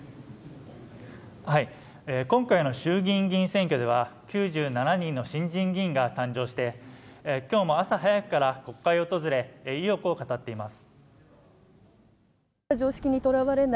今回の衆議院議員選挙では９７人の新人議員が誕生して今日も朝早くから国会を訪れ意欲を語っています